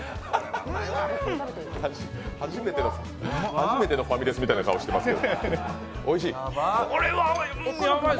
初めてのファミレスみたいな顔してますよ。